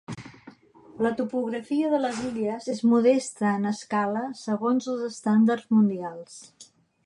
La topografia de les illes és modesta en escala segons els estàndards mundials.